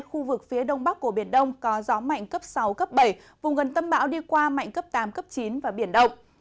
khu vực phía đông bắc của biển đông có gió mạnh cấp sáu cấp bảy vùng gần tâm bão đi qua mạnh cấp tám cấp chín và biển động